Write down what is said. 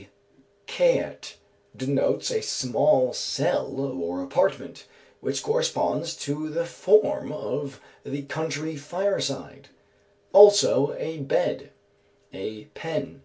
Sw. G., kaette, denotes a small cell or apartment, which corresponds to the form of the country fireside; also a bed; a pen.